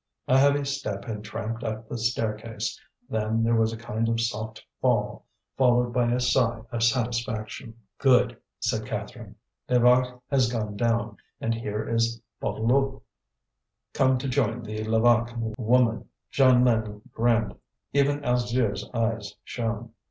A heavy step had tramped up the staircase; then there was a kind of soft fall, followed by a sigh of satisfaction. "Good!" said Catherine. "Levaque has gone down, and here is Bouteloup come to join the Levaque woman." Jeanlin grinned; even Alzire's eyes shone.